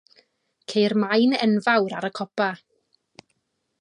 Ceir maen enfawr ar y copa.